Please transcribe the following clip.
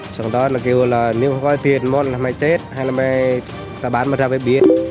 trong đó là kêu là nếu có tiền một là mày chết hay là mày bán ra với biến